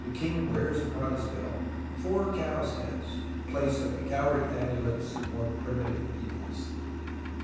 king wears upon liis belt four cows' heads (Fig. 18) in place of the cowrie amulets of more primitive peoples.